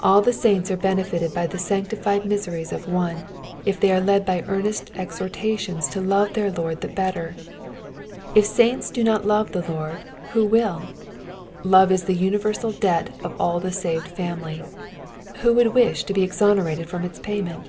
All the saints are benefited by the sanctified miseries of one, if they are led bj earnest exhortations to lore their Lord the bettor. If sunts do not tove the Lord, who will ! Love is the universal debt of all the saved family : who would wish to be exonerated from its payment